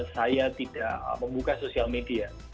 saya tidak membuka sosial media